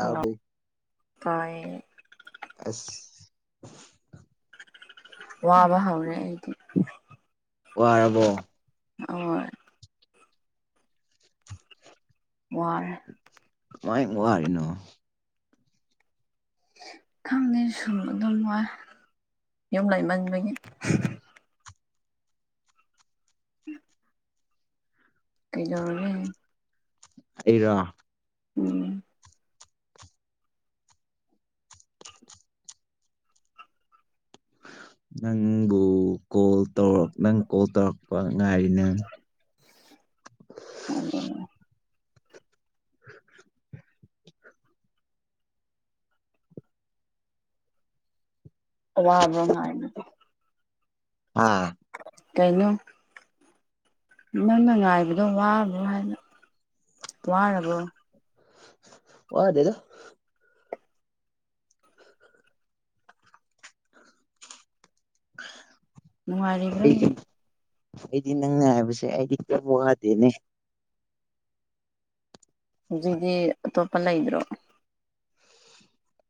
hello ꯇꯥꯏꯌꯦ ꯑꯁ [inaudible] ꯋꯥ ꯋꯥ ꯍꯧꯅꯦ ꯍꯥꯏꯗꯤ ꯀꯔꯕꯣ ꯑ ꯋꯥꯔ ꯀꯃꯥꯏ ꯋꯥꯔꯤꯅꯣ ꯊꯝꯅꯤ ꯁꯗꯅ ꯋꯥ ꯌꯨꯝ ꯂꯩꯃꯟꯕꯒꯤ ꯎꯝ ꯀꯖꯔꯦ ꯏꯔꯣ ꯎꯝ ꯎ ꯅꯪꯕꯨ ꯀꯣꯜ ꯇꯧꯛ ꯅꯪ ꯀꯣꯜ ꯇꯧꯔꯛꯄ ꯉꯥꯏꯔꯤ ꯅꯪ ꯑꯣ [inaudible] ꯋꯥꯕ꯭ꯔꯣꯅꯗꯤ ꯑ ꯀꯩꯅꯩꯅꯣ ꯅꯪꯅ ꯉꯥꯏꯕꯗꯣ ꯋꯥꯔꯕ꯭ꯔꯣ ꯍꯥꯏꯅ ꯋꯥꯔꯕꯣ ꯋꯥꯗꯦꯗ [inaudible] ꯅꯨꯡꯉꯥꯏꯕ꯭ꯔ ꯑꯩꯗꯤ ꯑꯩꯗꯤ ꯅꯪꯅ ꯍꯥꯏꯕꯁꯦ ꯑꯩꯗꯤ ꯀꯔ ꯋꯥꯗꯦꯅꯦ ꯗꯤ ꯇꯣꯞꯄꯂ ꯏꯣ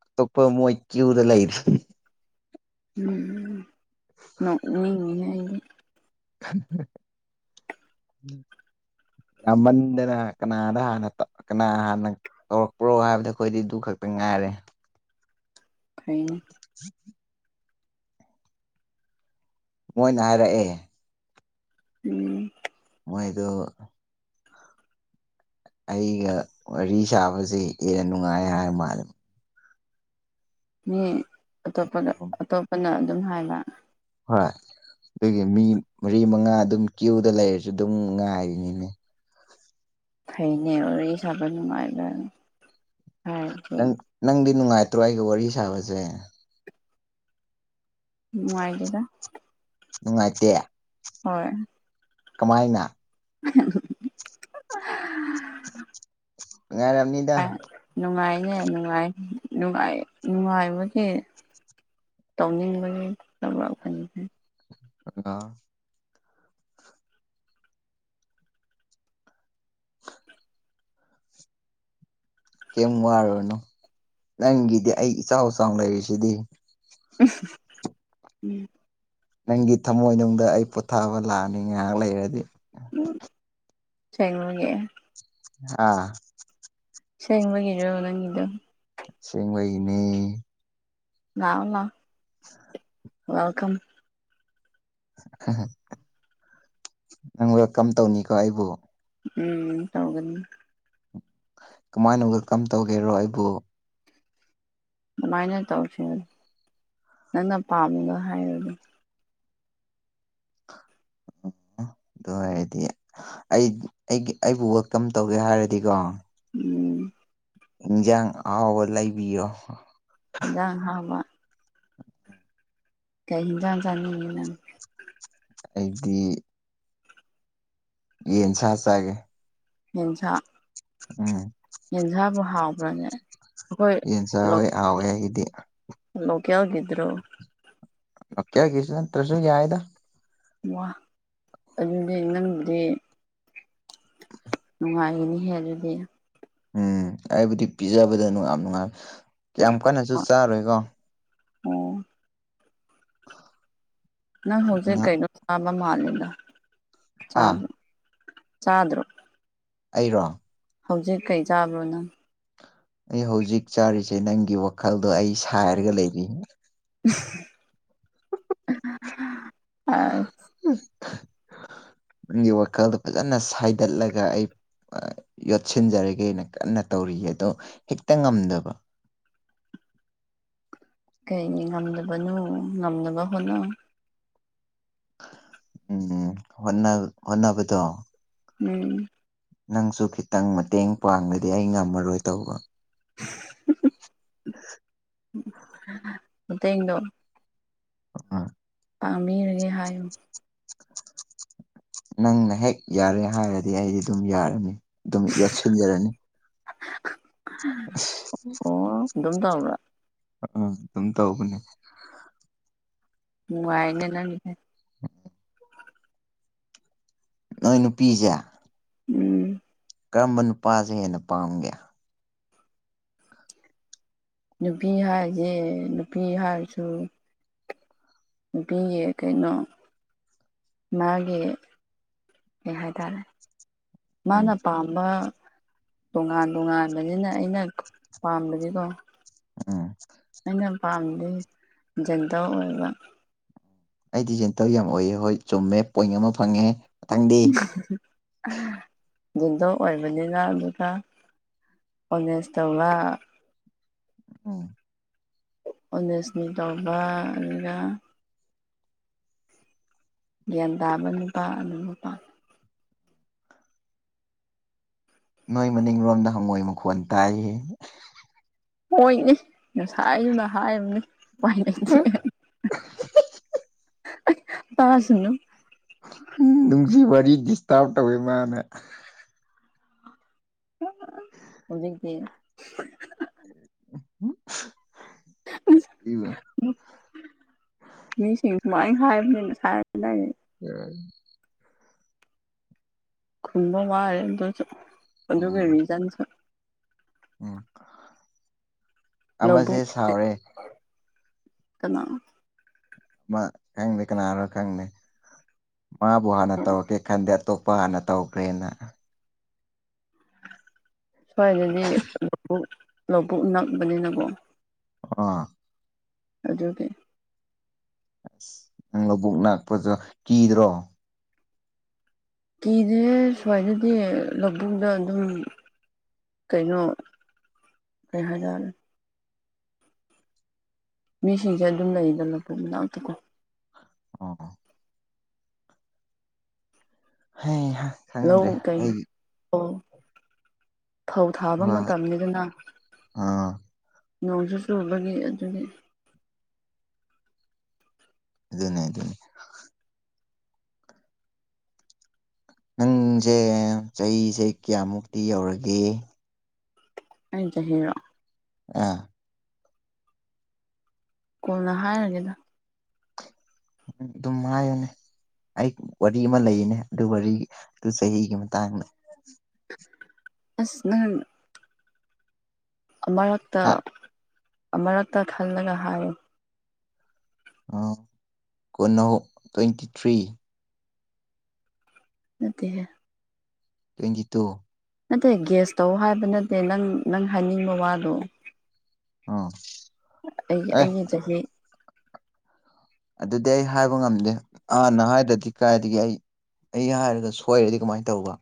ꯑꯇꯣꯞꯄ ꯃꯣꯏ ꯀ꯭ꯌꯨꯗ ꯂꯩꯔꯤꯦ ꯎꯝ ꯅꯅꯤꯍ ꯎꯝ ꯌꯥꯝꯃꯟꯗꯦꯅ ꯀꯅꯥꯗ ꯍꯥꯟꯅ ꯀꯅꯥ ꯍꯥꯟꯅ ꯇꯧꯔꯛꯄ꯭ꯔꯣ ꯍꯥꯏꯕꯗ ꯑꯩꯈꯣꯏꯗꯤ ꯑꯗꯨ ꯈꯛꯇ ꯉꯥꯏꯔꯦ ꯀꯩꯅꯦ ꯃꯣꯏꯅ ꯍꯥꯏꯔꯛꯑꯦ ꯎꯝ ꯃꯣꯏꯗ ꯑꯩꯒ ꯋꯥꯔꯤ ꯁꯥꯕꯁꯦ ꯍꯦꯟꯅ ꯅꯨꯡꯉꯥꯏ ꯍꯥꯏꯔ ꯃꯥꯜꯂꯦ ꯃꯤ ꯑꯇꯣꯞꯄꯗ ꯑꯇꯣꯞꯄꯅ ꯑꯗꯨꯝ ꯍꯥꯏꯕ ꯍꯣꯏ ꯑꯗꯨꯒꯤ ꯃꯤ ꯃꯔꯤ ꯃꯉꯥ ꯑꯗꯨꯝ ꯀ꯭ꯌꯨꯗ ꯂꯩꯔꯁꯨ ꯑꯗꯨꯝ ꯉꯥꯏꯔꯤꯅꯤꯅꯦ ꯍꯩꯅꯦ ꯑꯣꯏꯔ ꯁꯥꯕ ꯅꯨꯡꯉꯥꯏꯕ ꯅꯪ ꯅꯪꯗꯤ ꯅꯨꯡꯉꯥꯏꯇ꯭ꯔꯣ ꯑꯩꯒ ꯋꯥꯔꯤ ꯁꯥꯕꯁꯦ ꯅꯨꯡꯉꯥꯏꯗꯗ ꯎ ꯆꯌꯥ ꯀꯃꯥꯏꯅ ꯂ ꯅꯨꯡꯉꯥꯏꯔꯝꯅꯤꯗ ꯅꯨꯡꯉꯥꯏꯅꯦꯅꯨꯡꯅꯨꯡ ꯅꯨꯡꯉꯥꯏꯕꯒꯤ ꯇꯧꯅꯤꯡꯦꯅꯤꯦ ꯑ ꯀꯩꯝ ꯋꯥꯔꯨꯔꯨꯅꯨ ꯅꯪꯒꯤꯗꯤ ꯑꯩ ꯏꯆꯥꯎ ꯏꯆꯥꯎꯅ ꯂꯩꯔꯤꯁꯤꯗꯤ ꯎꯝ ꯅꯪꯒꯤ ꯊꯃꯣꯏꯅꯨꯡꯗ ꯑꯩ ꯄꯣꯊꯥꯕ ꯂꯥꯛꯑꯅꯤ ꯉꯥꯏꯍꯥꯛ ꯂꯩꯔꯗꯤ ꯎ ꯆꯦꯡꯦꯡ ꯂꯉꯦꯦ ꯑꯥ ꯁꯦꯡꯕꯒꯤꯗꯔ ꯅꯪꯗ ꯁꯦꯡꯕꯩꯅꯦ ꯉꯑꯂ ꯑ ꯋꯦꯜꯀꯝ ꯅꯪ ꯋꯦꯜꯀꯝ ꯇꯧꯅꯤꯀꯣ ꯑꯩꯕꯨ ꯎꯝ ꯇꯧꯒꯅꯤ ꯀꯃꯥꯏꯅ ꯋꯦꯜ ꯀꯝ ꯇꯧꯒꯦꯔꯣ ꯑꯩꯕꯨ ꯑꯗꯨꯃꯥꯏꯅ ꯇꯧꯁ ꯅꯪꯅ ꯄꯥꯝꯃꯒ ꯍꯥꯏꯔꯗ [unintelligible] ꯑꯗꯨ ꯑꯣꯏꯔꯗꯤ ꯑꯩ ꯑꯩ ꯑꯩꯕꯨ ꯋꯦꯜꯀꯝ ꯇꯧꯒꯦ ꯍꯥꯏꯔꯗꯤꯀꯣ ꯎꯝ ꯏꯟꯖꯥꯡ ꯑꯕ ꯂꯩꯕꯤꯌꯣ ꯌꯥ ꯍꯥꯕ ꯀꯩꯍꯤꯤꯡꯖ ꯆꯅꯤꯪ ꯑꯩꯗꯤ ꯌꯦꯟ ꯆ ꯆꯒꯦ ꯌꯦꯖ ꯎꯝ ꯃꯥꯅꯦ ꯌꯦꯟꯁ ꯍꯣꯏ ꯍꯥꯎꯋꯦ ꯑꯩꯒꯤꯗꯤ ꯀꯌꯥꯒꯗ꯭ꯔꯣ ꯑꯣ ꯀꯌꯥ ꯀꯁ ꯇ꯭ꯔꯁꯨ ꯀꯌꯥ ꯍꯥꯏꯗ [inaudible] ꯋꯥ ꯑꯗꯨꯗꯤ ꯅꯪꯗꯤ ꯅꯨꯡꯉꯥꯏꯒꯅꯤꯍꯦ ꯑꯗꯨꯗꯤ ꯎꯝ ꯑꯩꯕꯨꯗꯤ ꯄꯤꯖꯕꯗ ꯅꯨꯡ ꯌꯥꯝ ꯅꯨꯡꯉꯥꯏ ꯀ ꯀꯟꯅꯁꯨ ꯆꯥꯔꯣꯏꯀꯣ ꯑꯣ ꯅꯪ ꯍꯧꯖꯤꯛ ꯑꯗꯨꯅ ꯀꯩꯅꯣ ꯆꯥꯕ ꯃꯥꯂꯦꯗ ꯍꯥ ꯆꯥꯗꯦ ꯆꯗꯣ ꯑꯩꯔꯣ ꯍꯧꯖꯤꯛ ꯀꯩ ꯆꯥꯕ꯭ꯔꯣꯅꯪ ꯑꯩ ꯍꯧꯖꯤꯛ ꯆꯥꯔꯤꯁꯦ ꯅꯪꯒꯤ ꯋꯥꯈꯜꯗꯣ ꯑꯩ ꯁꯥꯏꯔꯒ ꯂꯩꯔꯤ ꯑ [unintelligible] [inaudible] ꯅꯒꯤ ꯋꯥꯈꯜꯗꯣ ꯐꯖꯅ ꯁꯥꯏꯗꯠꯂꯒ ꯑꯩ ꯌꯣꯠꯁꯤꯟꯖꯔꯒꯦꯅ ꯀꯟꯅ ꯇꯧꯔꯤꯌꯦ ꯑꯗꯣ ꯍꯦꯛꯇ ꯉꯝꯗꯕ ꯀꯩꯅꯤ ꯉꯝꯗꯕꯅꯣ ꯉꯝꯅꯕ ꯍꯣꯠꯅ ꯎꯝ ꯑꯣꯅ ꯑꯣꯅꯕꯨꯣ ꯎꯝ ꯅꯪꯁꯨ ꯈꯤꯇꯪ ꯃꯇꯦꯡ ꯄꯥꯡꯕꯗꯤ ꯑꯩ ꯉꯝꯃꯔꯣꯏ ꯇꯧꯕ [unintelligible] [inaudible] ꯑꯠꯇꯅꯣ ꯑꯥ [unintelligible] [inaudible] ꯄꯥꯕꯤꯔꯒꯦ ꯍꯥꯏꯌꯨ ꯅꯪꯅ ꯍꯦꯛ ꯌꯥꯔꯦ ꯍꯥꯏꯔꯗꯤ ꯑꯩꯗꯤ ꯑꯗꯨꯝ ꯌꯥꯔꯅꯤ ꯑꯗꯨꯝ ꯌꯣꯠꯁꯤꯟꯖꯔꯅꯤ ꯎꯝ ꯆꯝ ꯊ ꯑꯥ ꯑꯗꯨꯝ ꯇꯧꯕꯅꯦ ꯎ ꯋꯥꯩꯅ ꯅꯦ ꯅꯣꯏ ꯅꯨꯄꯤꯁꯦ ꯎꯝ ꯀꯔꯝꯕ ꯅꯨꯄꯥꯁꯦ ꯍꯦꯟꯅ ꯄꯥꯝꯒꯦ ꯅꯨꯄꯤ ꯍꯥꯏꯁꯦ ꯅꯨꯄꯤ ꯍꯥꯏꯔꯁꯨ ꯕꯤ ꯑꯦ ꯀꯩꯅꯣ ꯃꯥꯒꯤ ꯀꯩ ꯍꯥꯏꯇꯥꯔꯦ ꯎꯝ ꯃꯥꯅ ꯄꯥꯝꯕ ꯇꯣꯉꯥꯟ ꯇꯣꯉꯥꯟꯕꯅꯤꯅ ꯑꯩꯅ ꯄꯥꯝꯕꯒꯤꯀꯣ ꯎꯝ ꯑꯩꯅ ꯄꯥꯝꯗꯤ ꯖꯟꯇꯔ ꯑꯣꯏꯕ ꯑꯩꯗꯤꯖꯦꯟꯇꯔ ꯌꯥꯝ ꯑꯣꯏꯑ ꯍꯣꯏ ꯆꯨꯝꯃꯦ ꯄꯣꯏꯟ ꯑꯃ ꯐꯪꯉꯦ ꯃꯊꯪꯗꯤ ꯎ [unintelligible] [inaudible] ꯦꯟꯗꯣ ꯑꯣꯏꯕꯅꯤꯅ ꯑꯗꯨꯒ ꯑꯣꯅꯦꯖ ꯇꯧꯕ ꯑꯣ [unintelligible] [inaudible] ꯀꯂꯖꯅꯤ ꯇꯧꯕ ꯑꯗꯨꯒ ꯒ꯭ꯌꯥꯟ ꯇꯥꯕ ꯅꯨꯄꯥ ꯑꯗꯨ ꯅꯨꯄꯥ ꯅꯣꯏ ꯃꯅꯤꯡꯔꯣꯝꯗ ꯍꯪꯉꯣꯏ ꯃꯈꯣꯟ ꯇꯥꯏ ꯑꯣꯏꯅꯤ ꯉꯁꯥꯏꯗꯨꯅ ꯍꯥꯏꯕꯅꯤ ꯄꯥꯏ ꯂꯩꯦ ꯇꯁꯅꯣ ꯎꯝ ꯅꯨꯡꯁꯤ ꯋꯥꯔꯤ ꯗꯤꯁꯇꯥꯔꯕ ꯇꯧꯋꯦ ꯃꯥꯅꯦ ꯍꯧꯖꯤꯗꯒꯤ ꯎꯝ ꯃꯤ ꯁꯤ ꯃꯥꯏ ꯍꯥꯏꯕꯅꯤꯅ ꯁꯔ ꯂꯩ ꯎꯝ ꯈꯨꯝꯕ ꯋꯥꯔꯦ ꯑꯗꯨꯁꯨ ꯑꯗꯨꯒꯤ ꯎꯝ ꯔꯤꯖꯟꯁꯨ ꯎꯝ ꯑꯃꯁꯦ ꯁꯥꯎꯔꯦ ꯀꯅꯥꯅ ꯃꯥ ꯈꯪꯗꯦ ꯀꯅꯥꯅꯣ ꯈꯪꯗꯦ ꯃꯥꯕꯨ ꯍꯥꯟꯅ ꯇꯧꯔꯛꯀꯦ ꯈꯟꯗꯦ ꯑꯇꯣꯞꯄ ꯅꯨꯄꯥꯅ ꯇꯧꯈ꯭ꯔꯦꯅ ꯁ꯭ꯋꯥꯏꯗꯗꯤ ꯂꯧꯕ ꯂꯧꯕꯨꯛ ꯅꯛꯄꯅꯤꯅꯀꯣ ꯑ ꯑꯗꯨꯗ ꯑꯣꯀꯦ ꯑꯁ ꯅꯪ ꯂꯕꯨꯛ ꯉꯥꯛꯄꯁꯨ ꯀꯤꯗ꯭ꯔꯣ ꯀꯤꯗꯦ ꯁꯨꯃꯏꯅꯗꯤ ꯂꯧꯕꯨꯗ ꯑꯗꯨꯝ ꯀꯩꯅꯣ ꯀ ꯍꯥꯏꯖꯔ ꯃꯤꯁꯤꯡꯁꯦ ꯑꯗꯨꯝ ꯂꯩꯗꯅ ꯂꯥꯛꯄꯅꯥꯇꯀꯣ ꯑꯣ ꯑ ꯍ ꯈꯪꯗ꯭ꯔꯦ ꯑꯩꯒꯤ ꯑꯣ ꯐꯧ ꯊꯥꯕ ꯍꯣꯏ ꯃꯇꯝꯅꯤꯗꯅ ꯑꯥ ꯅꯣꯡꯁꯨ ꯆꯨꯕꯒꯤ ꯑꯗꯨꯒꯤ ꯑꯗꯨꯅꯦ ꯑꯗꯨꯗꯅꯦ ꯅꯪꯁꯦ ꯆꯍꯤꯁꯦ ꯀꯌꯥꯃꯨꯛꯇꯤ ꯌꯧꯔꯒꯦ ꯑꯩ ꯍꯔ ꯑꯥ ꯀꯣꯅ ꯍꯥꯏꯔꯒꯦꯗ ꯎꯝ ꯑꯗꯨꯝꯃꯅꯦ ꯑꯩ ꯋꯥꯔꯤ ꯑꯃ ꯂꯩꯅꯦ ꯑꯗꯨ ꯋꯥꯔꯤꯗꯨ ꯆꯍꯤꯒꯤ ꯃꯇꯥꯡꯗ ꯑ ꯅ ꯑꯃꯔꯛꯇ ꯍꯥ ꯑꯃꯨꯔꯛꯇ ꯈꯜꯂꯒ ꯍꯥꯏꯌ ꯀꯣꯅꯧ ꯇ꯭ꯋꯦꯟꯇꯤ ꯊ꯭ꯔꯤ ꯑꯗꯨꯠꯇꯦ ꯇꯖꯤ ꯇꯨ ꯅꯠꯇꯦ ꯒꯦꯁ ꯇꯧ ꯍꯥꯏꯕ ꯅꯠꯇꯦ ꯅꯪ ꯅꯪ ꯍꯥꯏꯅꯤꯡꯕ ꯋꯥꯗꯣ ꯑ ꯑꯩ ꯑꯩꯅ ꯆꯍꯤ ꯑꯗꯨꯗꯤ ꯑꯩ ꯍꯥꯏꯕ ꯉꯝꯗꯦ ꯍꯥꯟꯅ ꯍꯥꯏꯔꯗꯤ ꯀꯥꯏꯗꯒꯤ ꯑꯩ ꯑꯩꯩꯅ ꯍꯥꯏꯔꯒ ꯁꯣꯏꯔꯗꯤ ꯀꯃꯥꯏꯅ ꯇꯧꯕ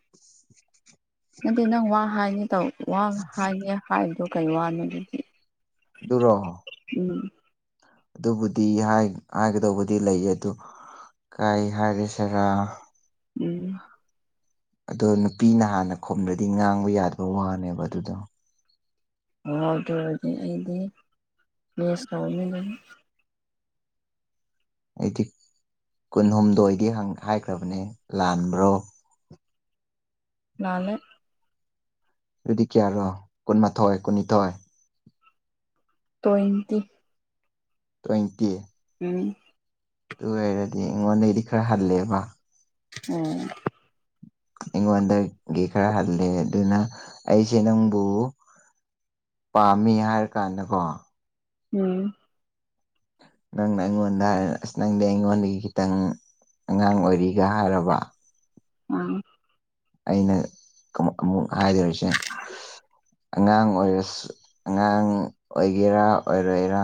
[inaudible] ꯅꯗꯤ ꯅꯪ ꯋꯥ ꯍꯥꯏꯅꯤ ꯋꯥ ꯍꯥꯏꯅꯤ ꯍꯥꯏꯔꯤꯗꯣ ꯀꯩ ꯋꯥꯅꯣ ꯑꯗꯨꯗꯤ ꯗꯔ ꯎꯝ ꯑꯗꯨꯕꯨꯗꯤ ꯍꯥꯏꯒꯗꯧꯕꯗꯤ ꯂꯩꯌꯦ ꯑꯗꯨ ꯀꯥꯏ ꯍꯥꯏꯔꯤꯁꯤꯔꯥ ꯎꯝ ꯑꯗꯣ ꯅꯨꯄꯤꯅ ꯍꯥꯟꯅ ꯈꯣꯂ꯭ꯔꯗꯤ ꯉꯥꯡꯕ ꯌꯥꯗꯕ ꯋꯥꯅꯦꯕ ꯑꯗꯨꯗꯣ ꯍꯥꯎꯗꯔꯗꯤ ꯑꯩꯗꯤ ꯅꯦꯁ ꯇꯧꯃꯤ ꯂꯩ ꯑꯩꯗꯤ ꯀꯨꯟꯍꯨꯝꯗꯣꯏꯗꯤ ꯍꯥꯏꯈ꯭ꯔꯕꯅꯦ ꯂꯥꯟꯕ꯭ꯔꯣ ꯅꯥꯟ ꯑꯗꯨꯗꯤ ꯀꯌꯥꯔꯣ ꯀꯨꯟꯃꯥꯊꯣꯏ ꯀꯨꯟꯅꯤꯊꯣꯏꯑ ꯇꯣ ꯏꯟꯇ ꯇ꯭ꯋꯦꯟꯇꯤ ꯎ ꯇꯨ ꯍꯥꯏꯔꯗꯤ ꯏꯉꯣꯟꯗꯗꯤ ꯈꯔ ꯍꯜꯂꯦꯕ ꯑꯣꯝ ꯑꯩꯉꯣꯟꯗꯒꯤ ꯈꯔ ꯍꯜꯂꯦ ꯑꯗꯨꯅ ꯑꯩꯁꯦ ꯅꯪꯕꯨ ꯄꯥꯝꯃꯤ ꯍꯥꯏꯔ ꯀꯥꯟꯒꯣ ꯎꯝ ꯅꯪꯅ ꯑꯩꯉꯣꯟꯗ ꯑꯁ ꯅꯪꯗꯤ ꯑꯩꯉꯣꯟꯗꯒꯤ ꯈꯤꯇꯪ ꯑꯉꯥꯡ ꯑꯣꯏꯔꯤꯒ ꯍꯥꯏꯔꯕ ꯑꯥ ꯑꯩꯅ ꯑꯃꯨꯛ ꯍꯥꯏꯖꯔꯤꯁꯦ ꯑꯉꯥꯡ ꯑꯣꯏꯔꯁꯨ ꯑꯉꯥꯡ ꯑꯣꯏꯒꯦꯔꯥ ꯑꯣꯏꯔꯣꯏꯔꯥ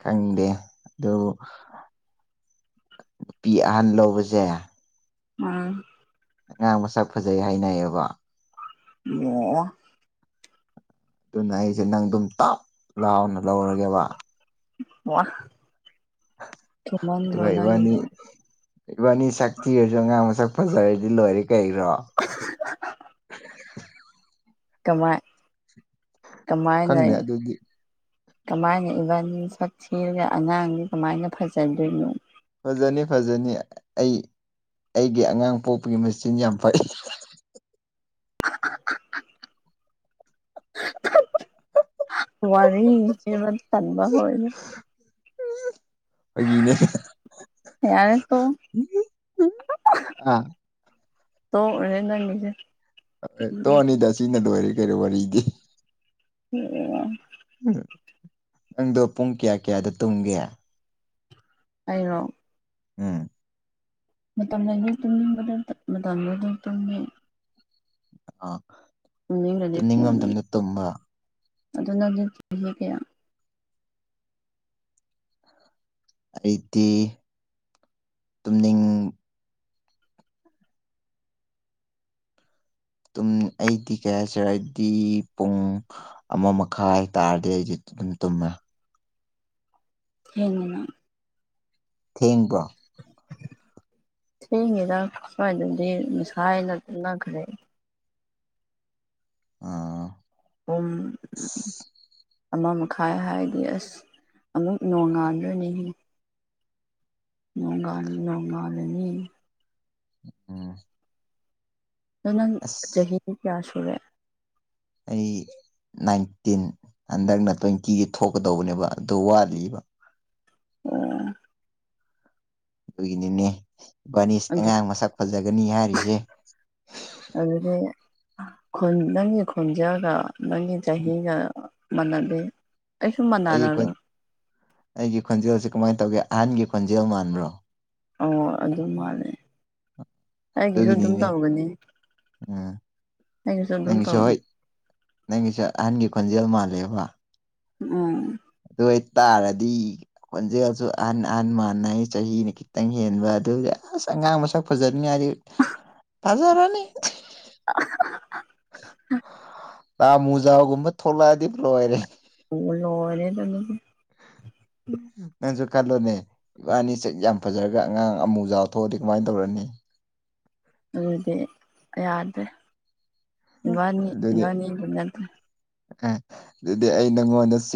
ꯈꯪꯗꯦ ꯑꯗꯨ ꯅꯨꯄꯤꯤ ꯑꯍꯟ ꯂꯧꯕꯖꯦ ꯑꯥ ꯑꯉꯥꯡ ꯃꯁꯛ ꯐꯖꯩ ꯍꯥꯏꯅꯩꯌꯦꯕ ꯑꯣ ꯑꯗꯨꯅ ꯑꯩꯁꯦ ꯅꯪ ꯑꯗꯨꯝ ꯇꯞ ꯂꯥꯎꯅ ꯂꯧꯔꯒꯦꯕ ꯋꯥ ꯑꯗꯨ ꯊꯨꯃꯟꯗ꯭ꯔꯣ ꯀꯩꯕꯥꯅꯤ ꯅꯪꯒꯤꯗꯣ ꯏꯕꯥꯅꯤ ꯁꯛ ꯊꯤꯔꯁꯨ ꯑꯉꯥꯡ ꯃꯁꯛ ꯐꯖꯔꯗꯤ ꯂꯣꯏꯔꯦ ꯀꯩꯔꯣ [unintelligible] ꯀꯃꯥꯏ ꯀꯃꯥꯏꯅ ꯈꯪꯗꯦ ꯑꯗꯨꯗꯤ ꯀꯃꯥꯏꯅ ꯏꯚꯟ ꯁꯛ ꯊꯤꯔꯒ ꯑꯉꯥꯡꯗꯨ ꯀꯃꯥꯏꯅ ꯐꯖꯗꯣꯏꯅꯣ ꯐꯖꯅꯤ ꯐꯖꯅꯤ ꯑꯩ ꯑꯩꯒꯤ ꯑꯉꯥꯡ ꯄꯣꯛꯄꯒꯤ ꯃꯦꯆꯤꯟ ꯌꯥꯝ ꯐꯩ ꯋꯥꯔꯔꯤ ꯏꯃ ꯊꯠꯕ ꯑꯣꯏꯅ ꯎꯝ ꯑꯩꯒꯤꯅꯦ ꯌꯥꯔꯦ ꯇꯣꯛꯑꯣ ꯑꯥ ꯇꯗꯦ ꯇꯣꯑꯅꯤꯗ ꯁꯤꯅ ꯂ ꯑꯣꯏꯔꯦ ꯀꯔꯤꯣ ꯋꯥꯔꯤꯗꯤ ꯑꯣ ꯎ ꯅꯪꯗꯣ ꯄꯨꯡ ꯀꯌꯥ ꯀꯌꯥꯗ ꯇꯨꯝꯒꯦ ꯑꯩꯅꯣ ꯎꯝ ꯃꯇꯝꯗꯤ ꯇꯨꯝꯅꯤꯡꯕꯗ ꯃꯇꯝꯗ ꯑꯗꯨ ꯇꯨꯝꯃꯤ ꯑ ꯅꯤꯡꯕ ꯃꯇꯝꯗ ꯇꯨꯝꯕ ꯑꯗꯨꯅ ꯑꯗꯨ ꯊ ꯀꯌꯥ ꯑꯩꯗꯤ ꯇꯨꯝꯅꯤꯡ ꯑꯩꯗꯤ ꯀꯌꯥ ꯍꯥꯏꯁꯤꯔꯗꯤ ꯄꯨꯡ ꯑꯃ ꯃꯈꯥꯏ ꯍꯥꯏꯇꯥꯥꯔꯗꯤ ꯑꯩꯗꯤ ꯑꯗꯨꯝ ꯇꯨꯝꯃꯦ ꯍꯦꯡꯅ ꯊꯦꯡꯕ꯭ꯔꯣ ꯁꯤ ꯌꯦꯔ ꯊꯗꯤ ꯃꯁꯥ ꯇꯅꯥ ꯈꯔꯦ ꯑꯥ ꯑꯝ ꯑꯁ ꯑꯃ ꯃꯈꯥꯏ ꯍꯥꯏꯔꯗꯤ ꯑꯁ ꯑꯃꯨꯛ ꯅꯣꯡꯉꯥꯟꯗꯣꯏꯅꯤ ꯂꯣꯡꯒꯥꯅꯤ ꯂꯣꯡ ꯉꯂꯤꯅꯤ ꯎꯝ ꯑꯗꯣ ꯅꯪ ꯑꯁ ꯆꯍꯤ ꯀꯌꯥ ꯁꯨꯔꯦ ꯑꯩ ꯅꯥꯏꯟꯇꯤꯟ ꯍꯟꯗꯛꯅ ꯇ꯭ꯋꯦꯟꯇꯤꯒꯤ ꯊꯣꯛꯀꯗꯧꯕꯅꯦꯕ ꯑꯗꯨ ꯋꯥꯠꯂꯤꯕ ꯑꯣ ꯑꯗꯨꯒꯤꯅꯤꯅꯦ ꯏꯕꯥꯅꯤ ꯑꯗꯨ ꯑꯉꯥꯡ ꯃꯁꯛ ꯐꯖꯒꯅꯤ ꯍꯥꯏꯔꯤꯁꯦ ꯑꯗꯨꯗꯤ ꯅꯪꯒꯤ ꯈꯣꯟꯖꯦꯜꯒ ꯅꯪꯒꯤ ꯆꯍꯤꯒ ꯃꯥꯟꯅꯗꯦ ꯑꯩꯁꯨ ꯑꯩꯒꯤ ꯃꯥꯟꯅꯔꯔꯣꯏ ꯑꯩꯒꯤ ꯈꯣꯟꯖꯦꯜꯁꯦ ꯀꯃꯥꯏꯅ ꯇꯧꯒꯦ ꯑꯍꯜꯒꯤ ꯈꯣꯟꯖꯦꯜ ꯃꯥꯟꯕ꯭ꯔꯣ ꯑꯣ ꯑꯗꯨ ꯃꯥꯜꯂꯦ ꯑꯩꯒꯤꯁꯨ ꯑꯗꯨꯝ ꯑꯗꯨꯒꯤꯅꯤꯅꯦ ꯇꯧꯒꯅꯤ ꯎꯝ ꯑꯩꯒꯤꯁꯨ ꯑꯗꯨꯝ ꯅꯪꯒꯤꯁꯨ ꯇꯧꯒꯅꯤ ꯍꯣꯏ ꯅꯪꯒꯤꯁꯨ ꯑꯍꯜꯒꯤ ꯈꯣꯟꯖꯦꯜ ꯃꯥꯜꯂꯦꯕ ꯎꯝ ꯑꯗꯨ ꯑꯣꯏꯇꯥꯔꯗꯤ ꯈꯣꯟꯖꯦꯜꯁꯨ ꯑꯍꯜ ꯑꯍꯜ ꯃꯥꯟꯅꯩ ꯆꯍꯤꯅ ꯈꯤꯇꯪ ꯍꯦꯟꯕ ꯑꯗꯨꯒ ꯑꯁ ꯑꯉꯥꯡ ꯃꯁꯛ ꯐꯖꯅꯤꯡꯉꯥꯏꯗꯤ ꯐꯖꯔꯅꯤ [unintelligible] ꯇꯥ ꯑꯃꯨꯖꯥꯎꯒꯨꯝꯕ ꯊꯣꯛꯂꯛꯑꯗꯤ ꯂꯣꯏꯔꯦ ꯂꯣꯏꯔꯦ ꯎꯝ ꯅꯪꯁꯨ ꯈꯜꯂꯣꯅꯦ ꯏꯕꯥꯅꯤ ꯁꯛ ꯌꯥꯝ ꯐꯖꯔꯒ ꯑꯉꯥꯡ ꯑꯃꯨꯖꯥꯎ ꯊꯣꯛꯑꯗꯤ ꯀꯃꯥꯏꯅ ꯇꯧꯔꯅꯤ [inaudible] ꯑꯗꯨꯗꯤ ꯌꯥꯗ꯭ꯔꯦ ꯏꯕꯥꯅꯤ ꯑꯗꯨꯗꯤ ꯏꯕꯥꯅꯤꯗꯨ ꯅꯠꯇ꯭ꯔꯦ ꯑꯦ ꯑꯗꯨꯗꯤ ꯑꯩ ꯅꯪꯉꯣꯟꯗ